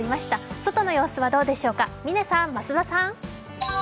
外の様子はどうでしょうか、嶺さん、増田さん。